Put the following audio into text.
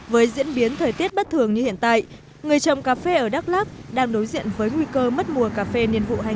với diễn biến thời tiết bất thường như hiện tại người trồng cà phê ở đắk lắc đang đối diện với nguy cơ mất mùa cà phê niên vụ hai nghìn một mươi bảy hai nghìn một mươi tám